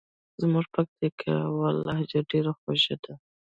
زموږ پکتیکاوالو لهجه ډېره خوژه ده.